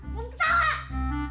bukan buat t interviews